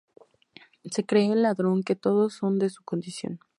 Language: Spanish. Se cree el ladrón que todos son de su condición